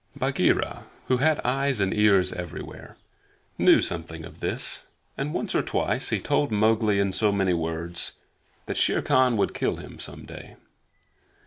Bagheera, who had eyes and ears everywhere, knew something of this, and once or twice he told Mowgli in so many words that Shere Khan would kill him some day.